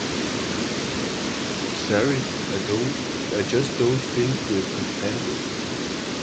Sorry, I just don’t think we’re compatible.